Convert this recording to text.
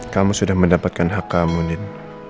kamu sudah mendapatkan hak kamu nin